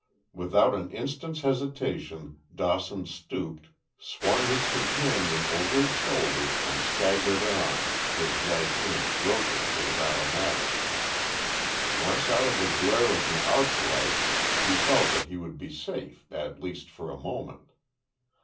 Without an instant's hesitation Dawson stooped, swung his companion over his shoulder, and staggered on, his right hand groping for his automatic. Once out of the glare of the arc light, he felt that he would be safe, at least for a moment.